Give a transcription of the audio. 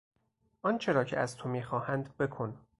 آنچه را که از تو میخواهند بکن!